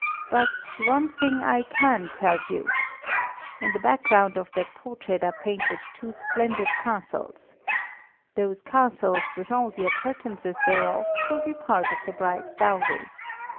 But one thing I can tell you. In the background of that portrait are painted two splendid castles. Those castles, with all the appurtenances thereof, will be part of the bride's dowry.